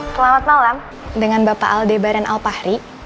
selamat malam dengan bapak aldebaran alpahri